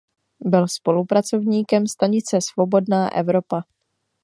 Byl spolupracovníkem stanice Svobodná Evropa.